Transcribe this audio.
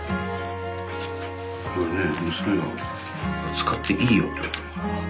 使っていいよと。